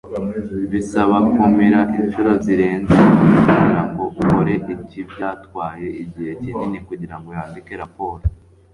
Bisaba kumira inshuro zirenze imwe kugirango ukore icyiByatwaye igihe kinini kugirango yandike raporo.